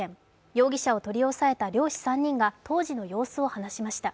容疑者を取り押さえた漁師３人が当時の様子を話しました。